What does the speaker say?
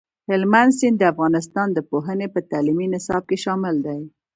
هلمند سیند د افغانستان د پوهنې په تعلیمي نصاب کې شامل دی.